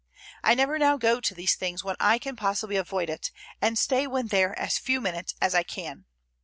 I never now go to these things when I can possibly avoid it, and stay when there as few minutes as I can."